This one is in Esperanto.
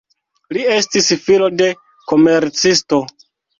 Li estis filo de komercisto.